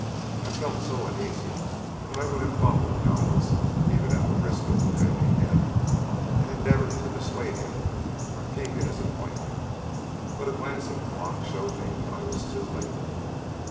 I felt so uneasy that I would have followed Cowles, even at the risk of offending him, and endeavoured to dissuade him from keeping his appointment, but a glance at the clock showed me that I was too late.